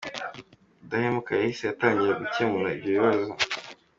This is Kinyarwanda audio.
Udahemuka yahise atangira gukemura ibyo bibazo.